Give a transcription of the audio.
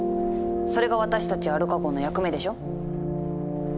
それが私たちアルカ号の役目でしょ。